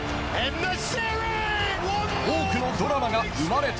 多くのドラマが生まれた。